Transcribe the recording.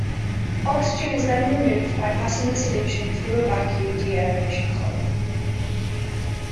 Oxygen is then removed by passing the solution through a vacuum de-aeration column.